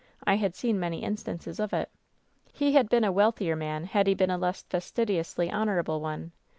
I had seen many instances of it. He had been a wealthier man had he been a less fastidi ously honorable one.